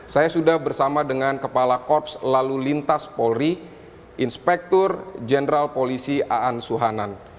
saya sudah bersama dengan kepala korps lalu lintas polri inspektur jenderal polisi aan suhanan